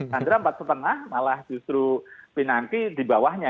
seandainya empat lima malah justru pinangki dibawahnya